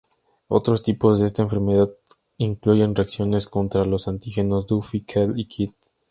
Otros tipos de esta enfermedad incluyen reacciones contra los antígenos Duffy, Kell, y Kidd.